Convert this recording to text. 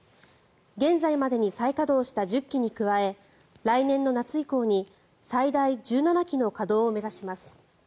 現在までに再稼働した１０基に加え来年の夏以降に最大１７基の稼働を目指します。